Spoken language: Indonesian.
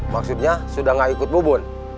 maksudnya sudah tidak ikut bubun